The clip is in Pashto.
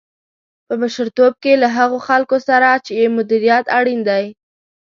په مشرتوب کې له هغو خلکو سره یې مديريت اړين دی.